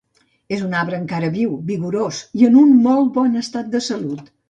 És un arbre encara viu, vigorós i en un molt bon estat de salut.